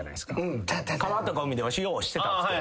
川とか海でわしようしてたんですけど。